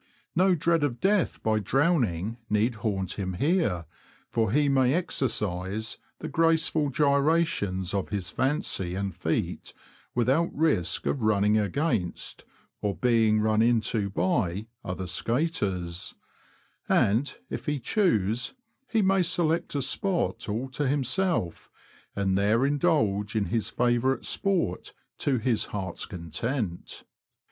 No dread of death by drowning need haunt him here, for he may exercise the graceful gyrations of his fancy and feet without risk of running against, or being run into by, other skaters; and, if he choose, he may select a spot all to himself, and there indulge in his favourite sport to his heart's content.